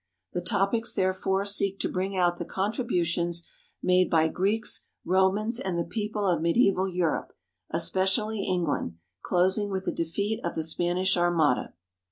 The topics, therefore, seek to bring out the contributions made by Greeks, Romans, and the people of medieval Europe, especially England, closing with the defeat of the Spanish Armada.